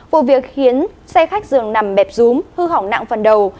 vụ việc khiến xe khách dường nằm bẹp rúm hư hỏng nặng phần đầu